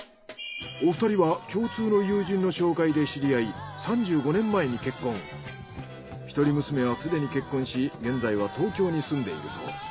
お二人は共通の友人の紹介で知り合い一人娘はすでに結婚し現在は東京に住んでいるそう。